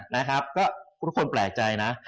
นะครับก็ทุกคนแปลกใจนะ